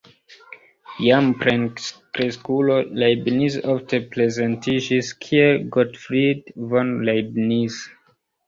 Jam plenkreskulo, Leibniz ofte prezentiĝis kiel "Gottfried von Leibniz".